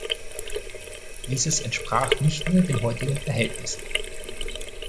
Dieses entsprach nicht mehr den heutigen Verhältnissen.